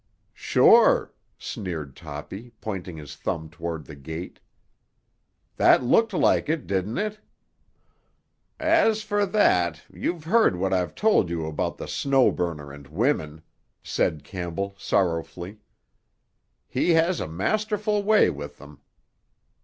"Sure," sneered Toppy, pointing his thumb toward the gate. "That looked like it, didn't it?" "As for that, you've heard what I've told you about the Snow Burner and women," said Campbell sorrowfully. "He has a masterful way with them."